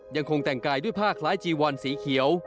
ยังคงแต่งกายด้วยผ้าคล้ายจีวอนสีเขียว